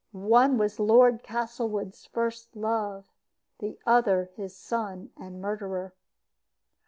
One was Lord Castlewood's first love, the other his son and murderer.